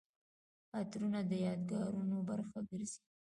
عطرونه د یادګارونو برخه ګرځي.